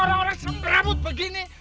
kalian orang abut tak butuh